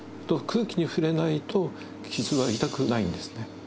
空気に触れないと傷は痛くないんですね